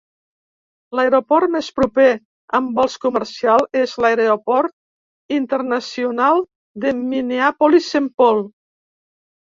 L'aeroport més proper amb vols comercials és l'Aeroport Internacional de Minneapolis-Saint Paul.